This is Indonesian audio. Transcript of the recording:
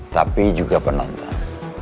tapi juga penonton